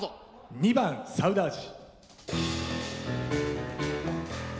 ２番「サウダージ」。